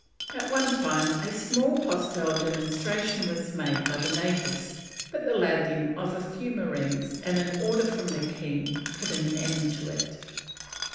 At one time a small hostile demonstration was made by the natives, but the landing of a few marines and an order from the king put an end to it.